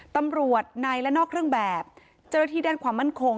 ตำรวจในและนอกเครื่องแบบเจ้าหน้าที่ด้านความมั่นคง